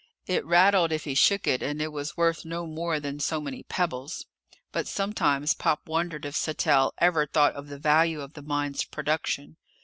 It rattled if he shook it, and it was worth no more than so many pebbles. But sometimes Pop wondered if Sattell ever thought of the value of the mine's production.